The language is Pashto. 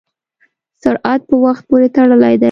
سرعت په وخت پورې تړلی دی.